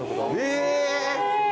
え！